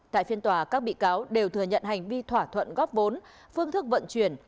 tại phiên tòa các bị cáo đều thừa nhận hành vi thỏa thuận góp vốn phương thức vận chuyển